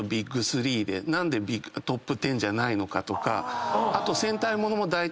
何でトップ１０じゃないのかとかあと。